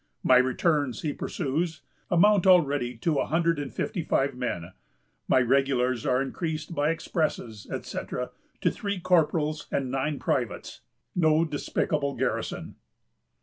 "My returns," he pursues, "amount already to a hundred and fifty five men. My regulars are increased by expresses, etc., to three corporals and nine privates; no despicable garrison!"